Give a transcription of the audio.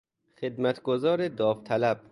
خدمتگزار داوطلب